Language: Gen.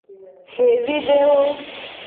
Xevidewo.